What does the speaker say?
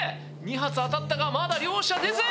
２発当たったがまだ両者出ず！